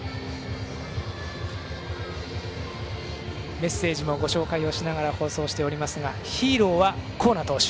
メッセージもご紹介しながら放送していますがヒーローは光成投手！！